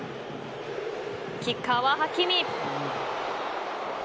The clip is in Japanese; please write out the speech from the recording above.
キッカーはハキミ。